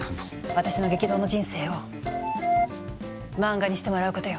私の激動の人生を漫画にしてもらうことよ！